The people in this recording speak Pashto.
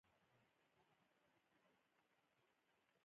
د هغه خبرې په بودايي کتابونو کې شته